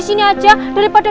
lah space syarikat ya